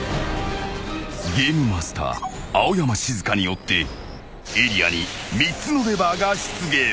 ［ゲームマスター青山シズカによってエリアに３つのレバーが出現］